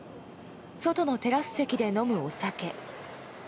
外のテラス席で飲むお酒。